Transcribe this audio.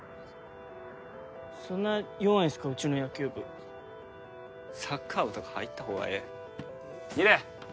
そんな弱いんすかうちの野球部サッカー部とか入った方がええ楡